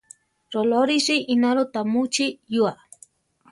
Rolórisi ináro ta muchí yua.